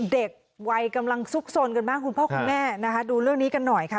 เด็กวัยกำลังซุกสนกันบ้างคุณพ่อคุณแม่นะคะดูเรื่องนี้กันหน่อยค่ะ